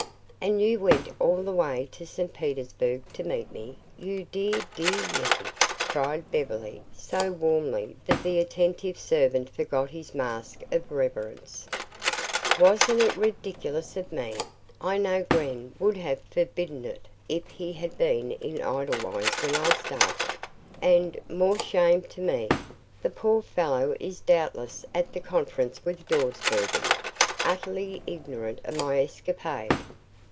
"And you went all the way to St. Petersburg to meet me, you dear, dear Yetive," cried Beverly, so warmly that the attentive servant forgot his mask of reverence. "Wasn't it ridiculous of me? I know Gren would have forbidden it if he had been in Edelweiss when I started. And, more shame to me, the poor fellow is doubtless at the conference with Dawsbergen, utterly ignorant of my escapade.